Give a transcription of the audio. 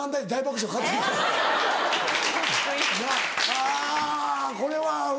はぁこれは。